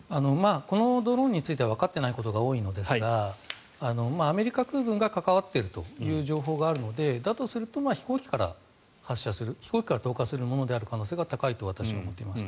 このドローンについてはわかっていないことが多いですがアメリカ空軍が関わっているという情報があるのでだとすると飛行機から発射する飛行機から投下するものである可能性が高いと思います。